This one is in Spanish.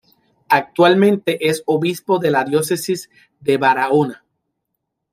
Actualmente es obispo de la Diócesis de Barahona.